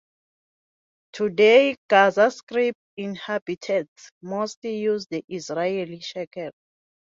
Today, Gaza Strip inhabitants mostly use the Israeli shekel.